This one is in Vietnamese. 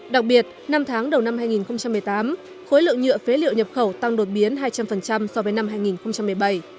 đặc biệt năm tháng đầu năm hai nghìn một mươi tám khối lượng nhựa phế liệu nhập khẩu tăng đột biến hai trăm linh so với năm hai nghìn một mươi bảy